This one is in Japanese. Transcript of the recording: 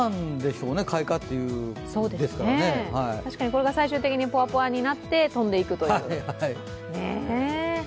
これが最終的にポワポワになって飛んでいくという。